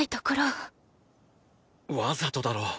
わざとだろう。